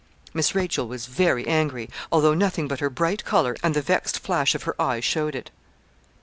Miss Rachel was very angry although nothing but her bright colour and the vexed flash of her eye showed it.